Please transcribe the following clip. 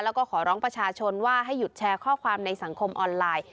แล้วก็ขอร้องประชาชนว่าให้หยุดแชร์ข้อความในสังคมออนไลน์